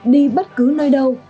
đi bất cứ nơi đâu